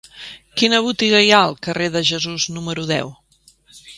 Quina botiga hi ha al carrer de Jesús número deu?